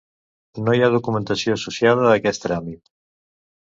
No hi ha documentació associada a aquest tràmit.